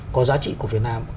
có giá trị của việt nam